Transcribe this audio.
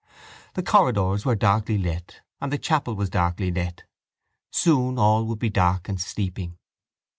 The corridors were darkly lit and the chapel was darkly lit. Soon all would be dark and sleeping.